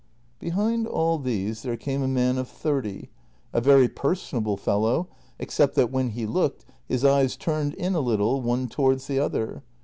Behind all these there came a man of thirty, a very person able fellow, except that when he looked his eyes turned in a little, one towards the other.